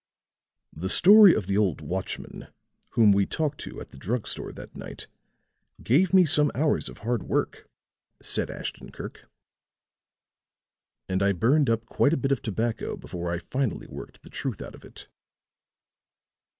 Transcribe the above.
"The story of the old watchman, whom we talked to at the drug store that night, gave me some hours of hard work," said Ashton Kirk. "And I burned up quite a bit of tobacco before I finally worked the truth out of it."